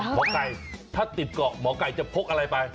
หมอไก่ถ้าติดเกาะหมอไก่จะพกอะไรไป